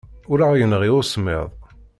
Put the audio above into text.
Ur aɣ-yenɣi usemmiḍ.